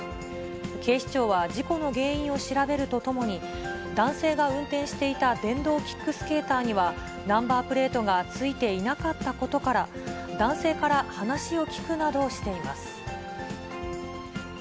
警視庁は事故の原因を調べるとともに、男性が運転していた電動キックスケーターには、ナンバープレートが付いていなかったことから、男性から話を聴くなどしています。